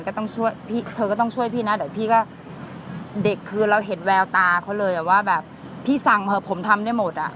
ก็ต้องช่วยพี่เธอก็ต้องช่วยพี่นะเดี๋ยวพี่ก็เด็กคือเราเห็นแววตาเขาเลยว่าแบบพี่สั่งเถอะผมทำได้หมดอ่ะ